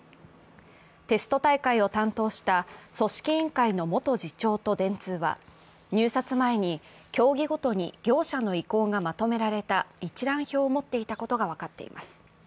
テスト大会を担当した組織委員会の元次長と電通は、入札前に競技ごとに業者の意向がまとめられた一覧表を持っていたことが分かっています。